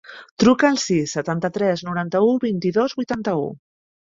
Truca al sis, setanta-tres, noranta-u, vint-i-dos, vuitanta-u.